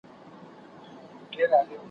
کشپ وویل خبره مو منمه,